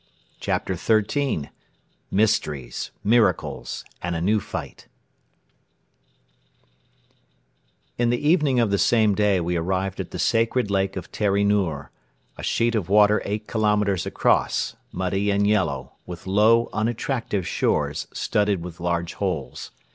CHAPTER XIII MYSTERIES, MIRACLES AND A NEW FIGHT In the evening of the same day we arrived at the Sacred Lake of Teri Noor, a sheet of water eight kilometres across, muddy and yellow, with low unattractive shores studded with large holes.